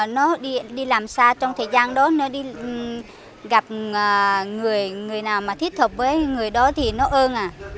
nó đi làm xa trong thời gian đó nó đi gặp người nào mà thiết thực với người đó thì nó ơn à